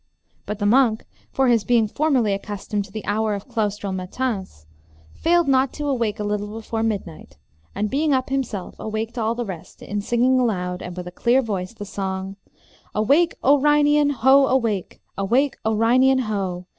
But the monk, for his being formerly accustomed to the hour of claustral matins, failed not to awake a little before midnight, and, being up himself, awaked all the rest, in singing aloud, and with a full clear voice, the song: Awake, O Reinian, ho, awake! Awake, O Reinian, ho!